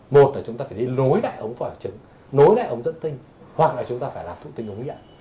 một là chúng ta phải đi lối đại ống phỏa chứng lối đại ống dẫn tinh hoặc là chúng ta phải làm thụ tinh ống nghiện